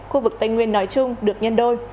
khu vực tây nguyên nói chung được nhân đôi